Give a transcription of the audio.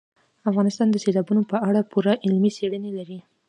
افغانستان د سیلابونو په اړه پوره علمي څېړنې لري.